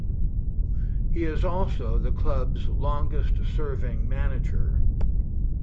He is also the club's longest serving manager.